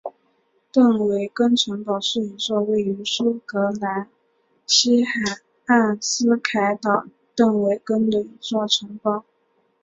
邓韦根城堡是一座位于苏格兰西海岸斯凯岛邓韦根的一座城堡。